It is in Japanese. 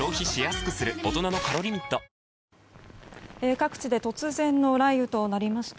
各地で突然の雷雨となりました。